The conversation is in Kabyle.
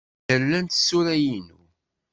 Anda llant tsura-inu?